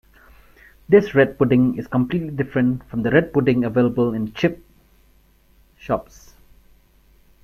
This red pudding is completely different from the red pudding available in chip shops.